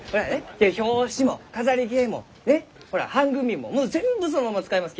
表紙も飾り罫もねっほら版組ももう全部そのまま使えますき。